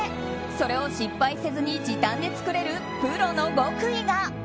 それを失敗せずに時短で作れるプロの極意が。